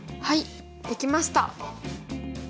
はいできました！